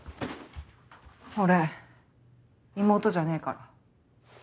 俺妹じゃねえから。